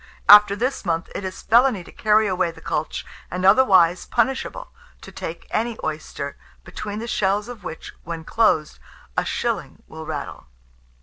After this month, it is felony to carry away the cultch, and otherwise punishable to take any oyster, between the shells of which, when closed, a shilling will rattle.